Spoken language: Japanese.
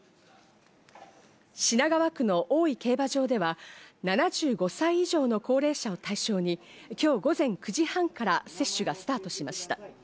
品川区の大井競馬場では、７５歳以上の高齢者を対象に今日午前９時半から接種がスタートしました。